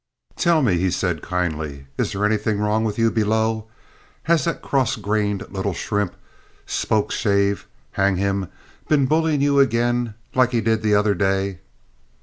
"Tell me," said he kindly, "is there anything wrong with you below? Has that cross grained little shrimp, Spokeshave, hang him! been bullying you again, like he did the other day?"